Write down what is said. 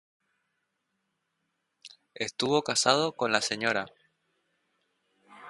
Estuvo casado con la Sra.